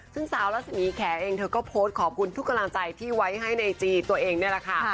ซึ่งสาวรัศมีแขเองเธอก็โพสต์ขอบคุณทุกกำลังใจที่ไว้ให้ในจีตัวเองนี่แหละค่ะ